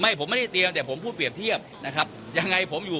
ผมไม่ได้เตรียมแต่ผมพูดเปรียบเทียบนะครับยังไงผมอยู่